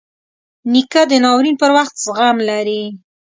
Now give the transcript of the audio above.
نیکه د ناورین پر وخت زغم لري.